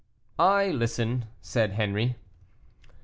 "I listen," said Henri.